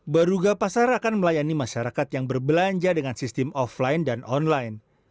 baruga pasar akan melayani masyarakat yang berbelanja dengan sistem offline dan online